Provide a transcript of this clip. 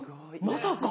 まさか。